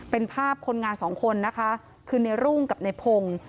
เป็นภาพคนงานสองคนนะคะคือในรุ่งกับในพงศ์